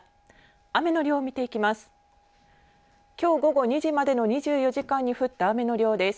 雨の量を見ていきます。